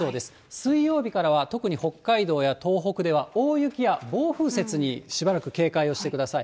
水曜日からは特に北海道や東北では大雪や暴風雪にしばらく警戒をしてください。